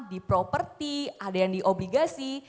di properti ada yang di obligasi